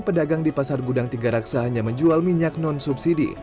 pedagang di pasar gudang tiga raksa hanya menjual minyak non subsidi